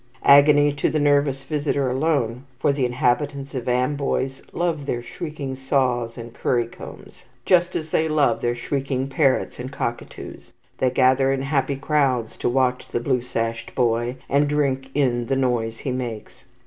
Agony to the nervous visitor alone; for the inhabitants of Amboise love their shrieking saws and currycombs, just as they love their shrieking parrots and cockatoos. They gather in happy crowds to watch the blue sashed boy, and drink in the noise he makes.